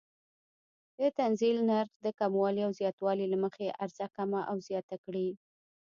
د تنزیل نرخ د کموالي او زیاتوالي له مخې عرضه کمه او زیاته کړي.